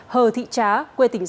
hờ thị trá quê tỉnh sơn